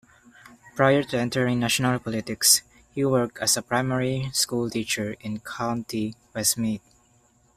Prior to entering national politics, he worked as a primary schoolteacher in County Westmeath.